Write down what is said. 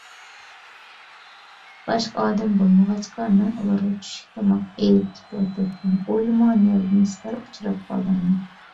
باشقا ئادەم بولمىغاچقا، مەن ئۇلارغا چۈشلۈك تاماق ئېلىپ كېتىۋاتاتتىم. ئويلىمىغان يەردىن سىلەر ئۇچراپ قالدىڭلار.